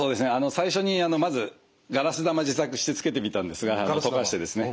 最初にまずガラス玉自作してつけてみたんですが溶かしてですね。